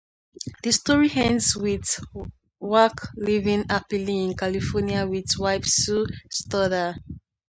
The story ends with Warnke living happily in California with wife Sue Studer.